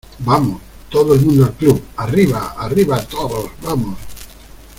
¡ vamos! ¡ todo el mundo al club !¡ arriba, arriba todos , vamos !